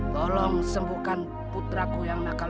tolong sembuhkan putraku yang nakal